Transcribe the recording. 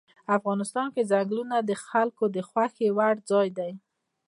افغانستان کې ځنګلونه د خلکو د خوښې وړ ځای دی.